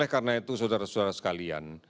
karena itu saudara saudara sekalian